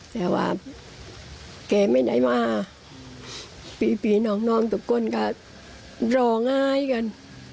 แต่ว่าแกไม่ได้มาพี่น้องทุกคนก็ร้องไห้กัน